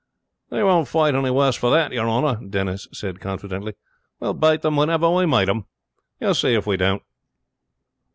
"They won't fight any the worse for that, your honor," Denis said confidently. "We will bate them whenever we meet them. You see if we don't."